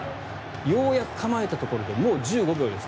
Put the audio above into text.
ようやく構えたところでもう１５秒です。